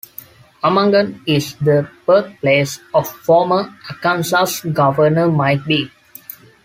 Amagon is the birthplace of former Arkansas Governor Mike Beebe.